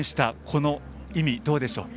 この意味、どうでしょう。